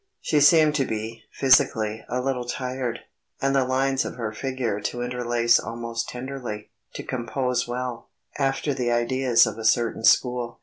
She seemed to be, physically, a little tired; and the lines of her figure to interlace almost tenderly to "compose" well, after the ideas of a certain school.